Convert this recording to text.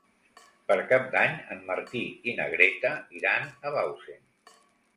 Per Cap d'Any en Martí i na Greta iran a Bausen.